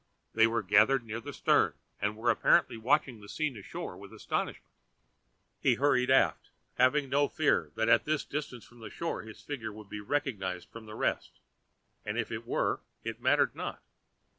They were gathered near the stern, and were apparently watching the scene ashore with astonishment. He hurried aft, having no fear that at this distance from the shore his figure would be recognized from the rest, and if it were it mattered not.